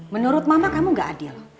menurut mama kamu gak adil